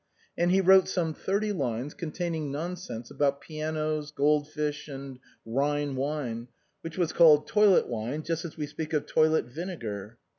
And he wrote some thirty lines containing nonsense about pianos, gold fish and Ehine wine, which was called a toilet wine just as we speak of toilet vinegar.